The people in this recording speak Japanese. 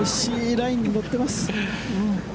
ラインに乗っています。